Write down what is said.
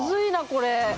これ。